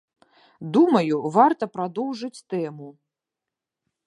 Думаю, варта прадоўжыць тэму.